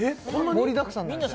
盛りだくさんなんですよ